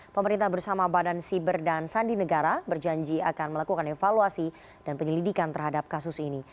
pemerintah bersama badan siber dan sandi negara berjanji akan melakukan evaluasi dan penyelidikan terhadap kasus ini